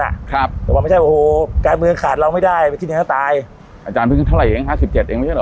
อาจารย์เพิ่งขึ้นเท่าไหร่เองคะ๑๗เองยังไปเจ๊ะหรอ